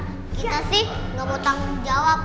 kita sih nggak mau tanggung jawab